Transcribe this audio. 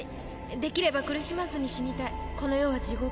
できれば苦しまずに死にたい」「この世は地獄。